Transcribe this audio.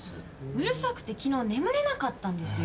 うるさくて昨日眠れなかったんですよ。